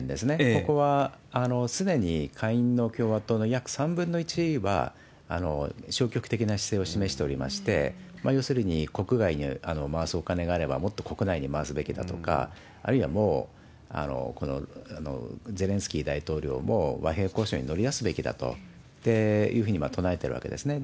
ここは常に下院の共和党の約３分の１は、消極的な姿勢を示しておりまして、要するに国外に回すお金があれば、もっと国内に回すべきだとか、あるいは、もうこのゼレンスキー大統領も和平交渉に乗り出すべきだというふうに唱えているわけですね。